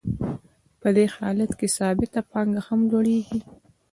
په دې حالت کې ثابته پانګه هم لوړېږي